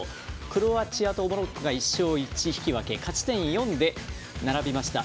クロアチアとモロッコが１勝１引き分け勝ち点４で並びました。